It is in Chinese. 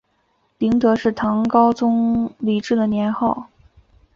麟德是唐高宗李治的年号。